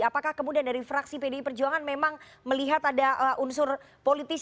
apakah kemudian dari fraksi pdi perjuangan memang melihat ada unsur politis